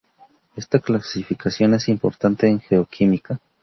Esta clasificación es importante en geoquímica.